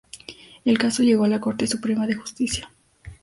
El caso llegó a la Corte Suprema de Justicia.